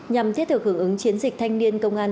nhằm thiết thực hưởng ứng chiến dịch thanh niên công an